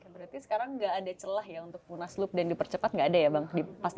berarti sekarang nggak ada celah ya untuk munaslup dan dipercepat nggak ada ya bang